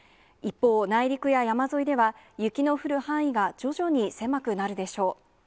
一方、内陸や山沿いでは、雪の降る範囲が徐々に狭くなるでしょう。